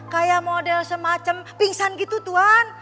kayak model semacam pingsan gitu tuhan